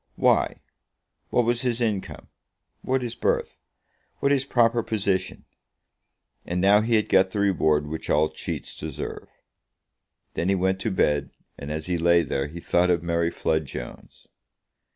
Why, what was his income? What his birth? What his proper position? And now he had got the reward which all cheats deserve. Then he went to bed, and as he lay there, he thought of Mary Flood Jones.